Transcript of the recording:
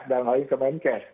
dan oleh kemenkes